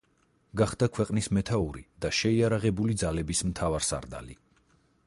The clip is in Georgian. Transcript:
გახდა ქვეყნის მეთაური და შეიარაღებული ძალების მთავარსარდალი.